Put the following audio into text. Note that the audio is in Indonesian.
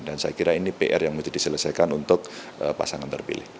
saya kira ini pr yang mesti diselesaikan untuk pasangan terpilih